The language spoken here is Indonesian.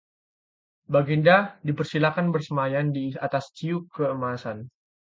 Baginda dipersilakan bersemayam di atas ciu keemasan